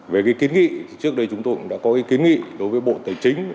về cái kiến nghị trước đây chúng tôi cũng đã có kiến nghị đối với bộ tài chính